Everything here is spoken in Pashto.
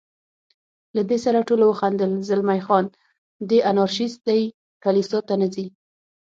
له دې سره ټولو وخندل، زلمی خان: دی انارشیست دی، کلیسا ته نه ځي.